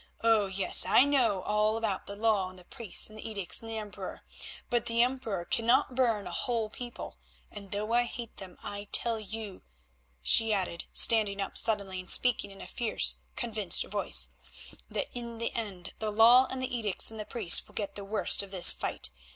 Oh! yes, I know all about the law and the priests and the edicts and the Emperor. But the Emperor cannot burn a whole people, and though I hate them, I tell you," she added, standing up suddenly and speaking in a fierce, convinced voice, "that in the end the law and the edicts and the priests will get the worst of this fight.